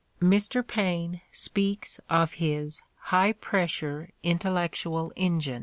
Mr Paine speaks of his "high pressure intellectual engine."